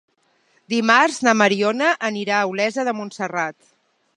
Dimarts na Mariona anirà a Olesa de Montserrat.